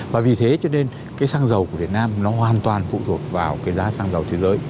và vì thế cho nên cái xăng dầu của việt nam nó hoàn toàn phụ thuộc vào cái giá xăng dầu thế giới